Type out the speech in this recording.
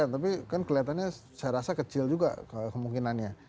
tapi kan kelihatannya saya rasa kecil juga kemungkinannya